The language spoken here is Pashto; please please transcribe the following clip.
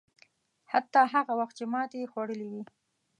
حتی هغه وخت چې ماته یې خوړلې وي.